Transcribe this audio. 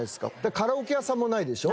カラオケ屋さんもないでしょ？